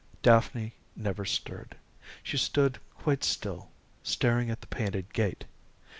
Daphne never stirred. She stood quite still, staring at the painted gate.